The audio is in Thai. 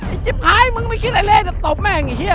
ไอ้จิ๊บหายมึงไม่คิดไอ้เล่แต่ตบแม่งไอ้เหี้ย